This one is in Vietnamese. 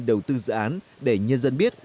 đầu tư dự án để nhân dân biết